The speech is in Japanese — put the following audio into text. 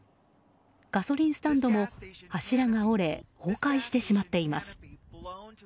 ガソリンスタンドも柱が折れ崩壊してしまっています。